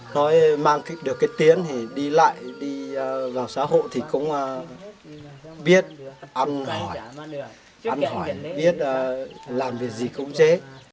nói mang được cái tiếng thì đi lại đi vào xã hội thì cũng biết ăn hỏi ăn hỏi biết làm việc gì khống chế